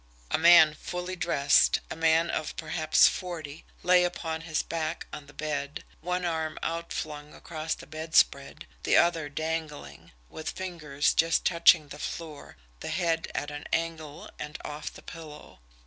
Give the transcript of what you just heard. A man fully dressed, a man of perhaps forty, lay upon his back on the bed, one arm outflung across the bedspread, the other dangling, with fingers just touching the floor, the head at an angle and off the pillow.